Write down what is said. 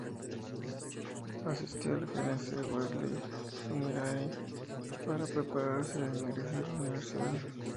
Asistió al Genesee Wesley Seminary para prepararse e ingresar a la universidad.